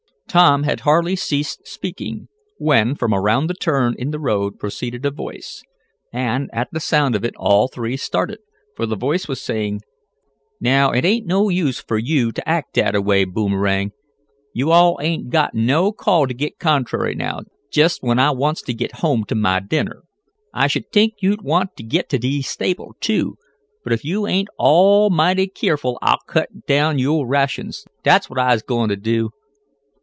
Tom had hardly ceased speaking, when, from around the turn in the road proceeded a voice, and, at the sound of it all three started, for the voice was saying: "Now it ain't no use fer yo' to act dat a way, Boomerang. Yo' all ain't got no call t' git contrary now, jest when I wants t' git home t' mah dinner. I should t'ink you'd want t' git t' de stable, too. But ef yo' all ain't mighty keerful I'll cut down yo' rations, dat's what I'se goin' to do.